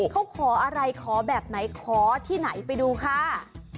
เขาขออะไรขอแบบไหนขอที่ไหนไปดูค่ะ